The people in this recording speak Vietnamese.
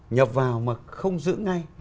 nhập vào mà không giữ ngay